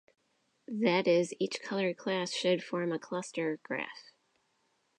That is, each color class should form a cluster graph.